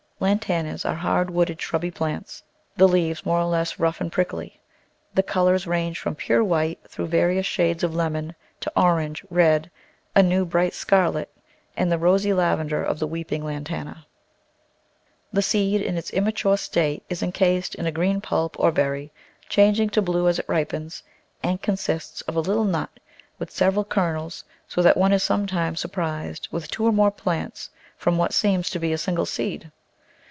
Lantanas ARE hard wooded, shrubby plants, the leaves more or less rough and prickly. The colours range from pure white through various shades of lemon to orange, red, a new bright scarlet, and the rosy lavender of the Weeping Lantana. The seed in Digitized by Google 82 The Flower Garden [Chapter its immature state is incased in a green pulp or berry, changing to blue as it ripens, and consists of a little nut with several kernels, so that one is sometimes sur prised with two or more plants from what seems to be a single seed.